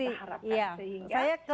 itu yang kita harapkan